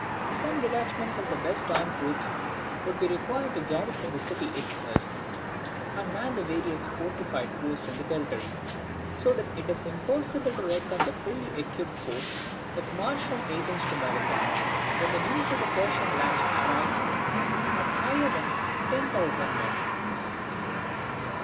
Some detachments of the best armed troops would be required to garrison the city itself, and man the various fortified posts in the territory; so that it is impossible to reckon the fully equipped force that marched from Athens to Marathon, when the news of the Persian landing arrived, at higher than ten thousand men.